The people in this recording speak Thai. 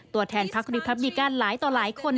ตัวแทนพรรคเรพับบิกันหลายต่อหลายคน